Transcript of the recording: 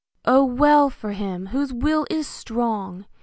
Oh well for him whose will is strong!